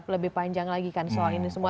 lebih panjang lagi kan soal ini semua